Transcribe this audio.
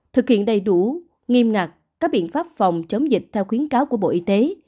thực hiện đầy đủ nghiêm ngặt các biện pháp phòng chống dịch theo khuyến cáo của bộ y tế